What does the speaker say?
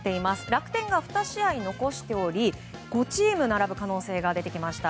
楽天が２試合残しており５チームが並ぶ可能性が出てきました。